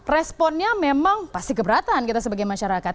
responnya memang pasti keberatan kita sebagai masyarakat